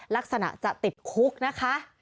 ลักษณะจะติดคุกนะคะ